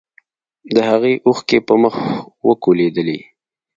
د هغې اوښکې په مخ وکولېدلې.